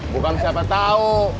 bukan siapa tahu